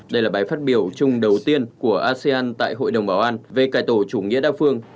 đây là bài phát biểu chung đầu tiên của asean tại hội đồng bảo an về cải tổ chủ nghĩa đa phương